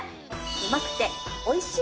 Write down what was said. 「うまくて、おいしい。